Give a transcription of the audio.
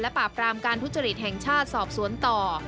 ปราบรามการทุจริตแห่งชาติสอบสวนต่อ